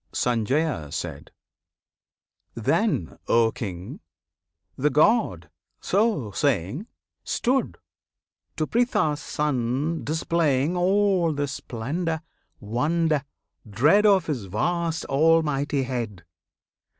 Sanjaya. Then, O King! the God, so saying, Stood, to Pritha's Son displaying All the splendour, wonder, dread Of His vast Almighty head.